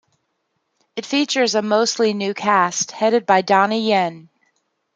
It features a mostly new cast, headed by Donnie Yen.